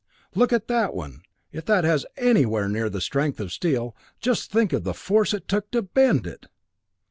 Look at that one if that has anywhere near the strength of steel, just think of the force it took to bend it!"